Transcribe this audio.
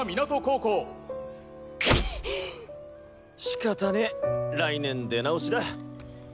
しかたねぇ来年出直しだ。